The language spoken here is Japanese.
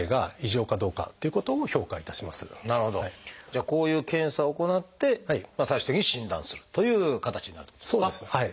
じゃあこういう検査を行って最終的に診断するという形になるってことですか？